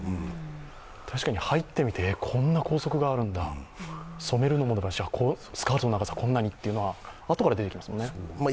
確かに入ってみて、こんな校則があるんだ、スカートの長さはこんなにというのはあとから出てきますよね。